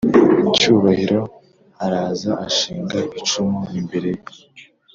cyubahiro araza ashinga icumu imbere ye